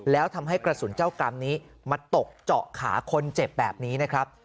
แล้วทำให้กระสุนเจ้ากรรมนี้มาตกเจาะขาคนเจ็บแบบนี้นะครับ